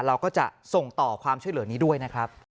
เราก็จะส่งต่อความช่วยเหลือนี้ด้วยนะครับ